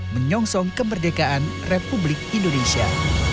menyongsong kemerdekaan republik indonesia